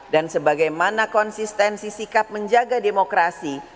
dan sebagaimana konsistensi sikap menjaga demokrasi